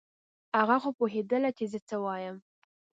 هغه خو پوهېدله چې زه څه وایم.